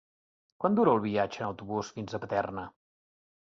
Quant dura el viatge en autobús fins a Paterna?